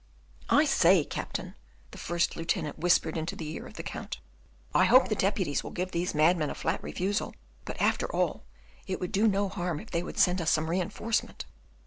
"I say, Captain," the first lieutenant whispered into the ear of the Count, "I hope the deputies will give these madmen a flat refusal; but, after all, it would do no harm if they would send us some reinforcement."